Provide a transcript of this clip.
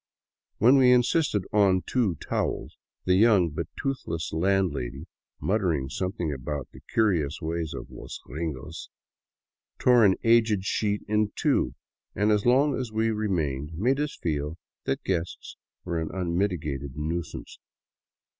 When we insisted on two towels, the young but toothless landlady, muttering something about the curious ways of los gringos, tore an aged sheet in two, and as long as we remained made us feel that guests were an unmitigated nuisance.